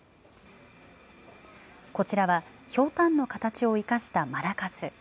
こちらはひょうたんの形を生かしたマラカス。